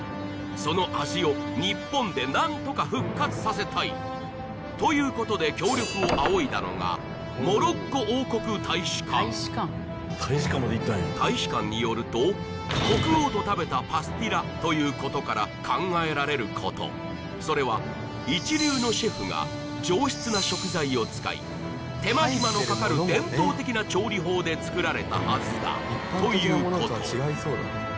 その味を日本でなんとか復活させたいということで協力を仰いだのがモロッコ王国大使館大使館によると国王と食べたパスティラということから考えられることそれは一流のシェフが上質な食材を使い手間ひまのかかる伝統的な調理法で作られたはずだということ